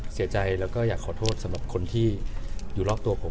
เสียใจแล้วก็อยากขอโทษสำหรับคนที่อยู่รอบตัวผม